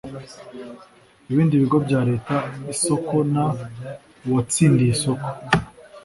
Ibindi bigo bya leta isoko n uwatsindiye isoko